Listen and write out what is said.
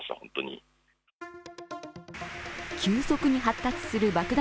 急速に発達する爆弾